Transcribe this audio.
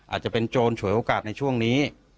อาจจะเป็นโจรฉวยโอกาสในช่วงนี้